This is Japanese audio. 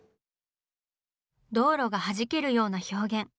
道路がはじけるような表現。